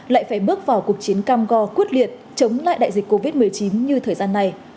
lại phải bước vào cuộc chiến cam go quyết liệt chống lại đại dịch covid một mươi chín như thời gian này